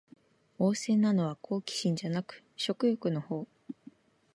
旺盛なのは好奇心じゃなく食欲のほう